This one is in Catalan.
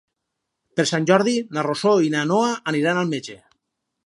Per Sant Jordi na Rosó i na Noa aniran al metge.